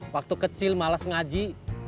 waktu kecil malas ngaji